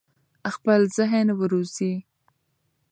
خپل ذهن وروزی.